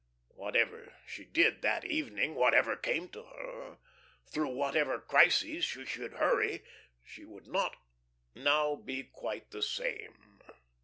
Whatever she did that evening, whatever came to her, through whatever crises she should hurry, she would not now be quite the same.